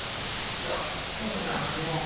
いや特には何も。